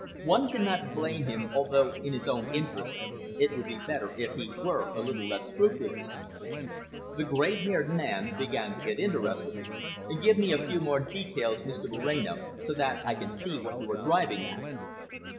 One cannot blame him, although in his own interests it would be better if he were a little less scrupulous." The grey haired man began to get interested. "Give me a few more details, Mr Moreno, so that I can see what you are driving at."